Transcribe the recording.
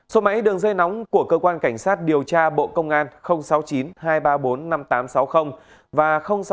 số máy đường dây nóng của cơ quan cảnh sát điều tra bộ công an sáu mươi chín hai trăm ba mươi bốn năm nghìn tám trăm sáu mươi và sáu mươi chín hai trăm ba mươi một một nghìn sáu trăm bảy